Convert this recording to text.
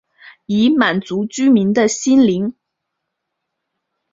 以满足居民的心灵